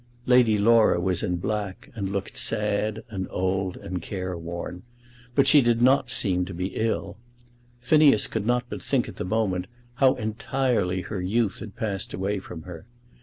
Lady Laura was in black, and looked sad, and old, and careworn; but she did not seem to be ill. Phineas could not but think at the moment how entirely her youth had passed away from her.